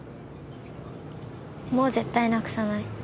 もう絶対なくさない。